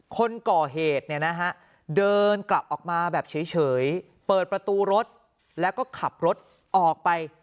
คนก่อเหตุเนี่ยนะฮะเดินกลับออกมาแบบเฉยเปิดประตูรถแล้วก็ขับรถออกไป